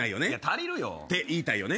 足りるよ。って言いたいよね。